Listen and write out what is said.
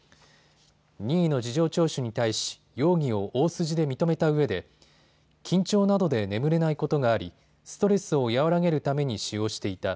任意の事情聴取に対し容疑を大筋で認めたうえで緊張などで眠れないことがありストレスを和らげるために使用していた。